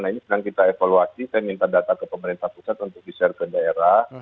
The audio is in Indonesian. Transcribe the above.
nah ini sedang kita evaluasi saya minta data ke pemerintah pusat untuk di share ke daerah